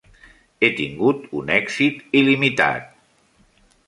He tingut un èxit il·limitat...